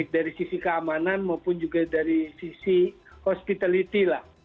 dari sisi keamanan maupun juga dari sisi hospitality lah